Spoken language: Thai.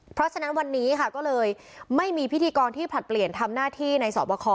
เพราะฉะนั้นวันนี้ค่ะก็เลยไม่มีพิธีกรที่ผลัดเปลี่ยนทำหน้าที่ในสอบคอ